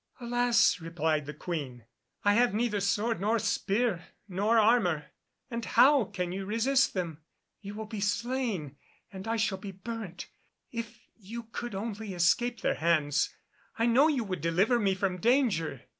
"Alas!" replied the Queen, "I have neither sword nor spear nor armour, and how can you resist them? You will be slain and I shall be burnt. If you could only escape their hands, I know you would deliver me from danger."